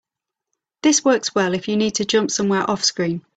This works well if you need to jump somewhere offscreen.